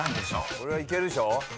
・これはいけるでしょ？